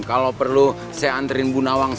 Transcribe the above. kalo perlu saya anterin bu nawang